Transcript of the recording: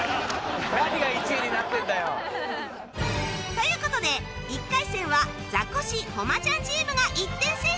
という事で１回戦はザコシ・誉ちゃんチームが１点先取